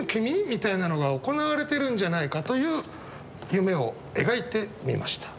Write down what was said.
みたいなのが行われているんじゃないかという夢を描いてみました。